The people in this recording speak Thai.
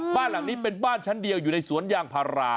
บ้านหลังนี้เป็นบ้านชั้นเดียวอยู่ในสวนยางพารา